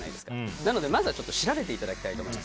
なので、まずは調べてほしいと思います。